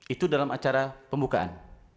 itu dalam acara pembukaan